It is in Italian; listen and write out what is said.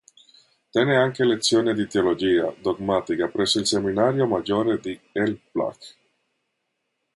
Tenne anche lezioni di teologia dogmatica presso il seminario maggiore di Elbląg.